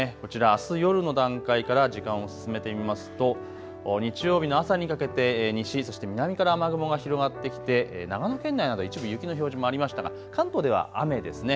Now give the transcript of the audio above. こちら、あす夜の段階から時間を進めてみますと日曜日の朝にかけて西、そして南から雨雲が広がってきて長野県内など一部雪の表示もありましたが関東では雨ですね。